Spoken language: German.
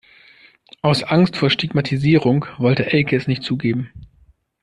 Aus Angst vor Stigmatisierung wollte Elke es nicht zugeben.